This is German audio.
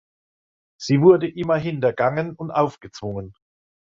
Sie wurde immer hintergangen und aufgezwungen.